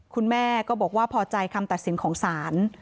คุณแม่ก็บอกว่าพอใจคำตัดสินของศาล